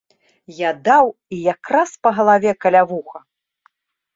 Я даў і якраз па галаве каля вуха.